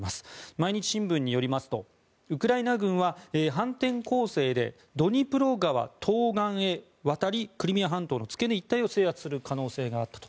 毎日新聞によりますとウクライナ軍は反転攻勢でドニプロ川東岸へ渡りクリミア半島の付け根一帯を制圧する可能性があったと。